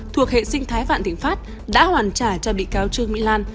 thuộc hệ sinh thái vạn thịnh pháp đã hoàn trả cho bị cáo trương mỹ lan